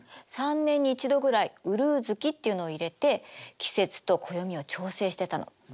３年に１度ぐらいうるう月っていうのを入れて季節と暦を調整してたの。